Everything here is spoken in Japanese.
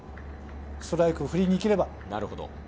ストライクを振りにいければ。